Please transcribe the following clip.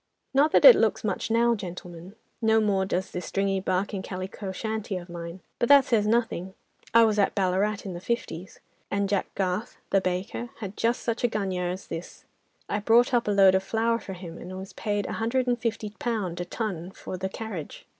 "Not that it looks much now, gentlemen; no more does this stringy bark and calico shanty of mine. But that says nothing. I was at Ballarat in the 'fifties,' and Jack Garth, the baker, had just such a gunya as this. I brought up a load of flour for him, and was paid a hundred and fifty pound a ton for the carriage.